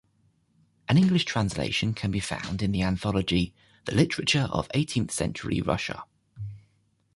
An English translation can be found in the anthology "The Literature of Eighteenth-Century Russia".